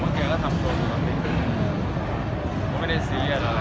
มันมีก็ทำลงไม่ได้เสียอะไร